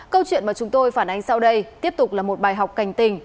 câu chuyện mà chúng tôi phản ánh sau đây tiếp tục là một bài học cảnh tình